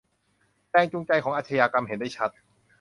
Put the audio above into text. แรงจูงใจของอาชญากรรมเห็นได้ชัด